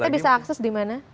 anda bisa akses di mana